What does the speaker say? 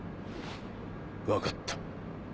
分かった。